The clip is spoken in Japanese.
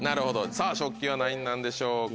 さぁ食器は何位なんでしょうか？